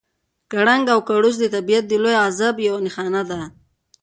کړنګ او کړوس د طبیعت د لوی غضب یو نښان دی.